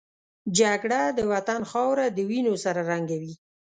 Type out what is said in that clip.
جګړه د وطن خاوره د وینو سره رنګوي